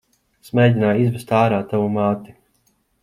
Es mēgināju izsviest ārā tavu māti.